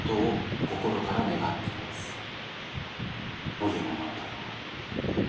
「森山直太朗」。